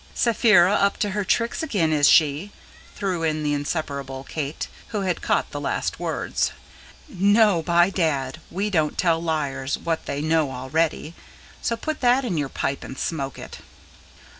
"Sapphira up to her tricks again, is she?" threw in the inseparable Kate, who had caught the last words. "No, by dad, we don't tell liars what they know already. So put that in your pipe and smoke it!"